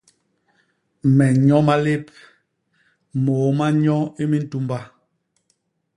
Me nnyo malép, môô ma nnyo i mintumba.